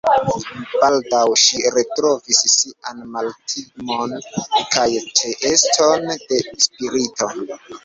Baldaŭ ŝi retrovis sian maltimon kaj ĉeeston de spirito.